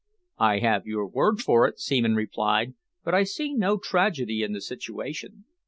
"I have your word for it," Seaman replied, "but I see no tragedy in the situation.